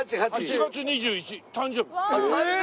１月２１誕生日。